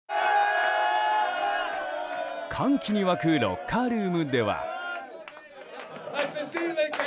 歓喜に沸くロッカールームでは。